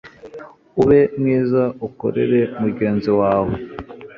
ube mwiza ukorere mugenzi wawe